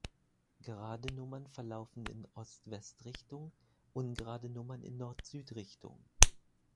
Gerade Nummern verlaufen in Ost-West-Richtung, ungerade Nummern in Nord-Süd-Richtung.